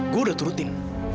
gue udah turutin